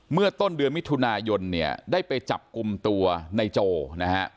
เมื่อต้นเดือนมิถุนายนเนี่ยได้ไปจับกลุ่มตัวในโจนะฮะ